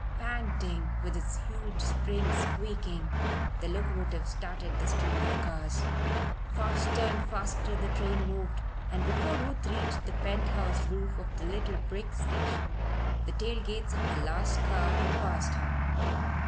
Panting, with its huge springs squeaking, the locomotive started the string of cars. Faster and faster the train moved, and before Ruth reached the pent house roof of the little brick station, the tail lights of the last car had passed her.